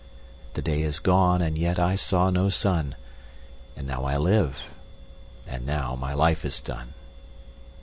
5The day is gone and yet I saw no sun,6And now I live, and now my life is done.